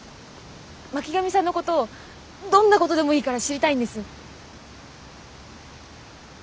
巻上さんのことどんなことでもいいから知りたいんです。